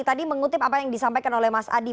tadi mengutip apa yang disampaikan oleh mas adi